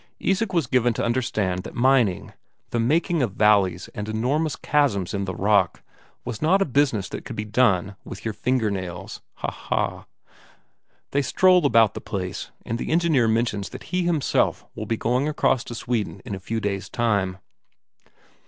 Isak was given to understand that mining, the making of valleys and enormous chasms in the rock, was not a business that could be done with your fingernails ha ha! They stroll about the place, and the engineer mentions that he himself will be going across to Sweden in a few days' time.